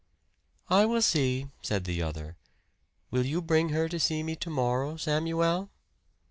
"I will see," said the other. "Will you bring her to see me to morrow, Samuel?"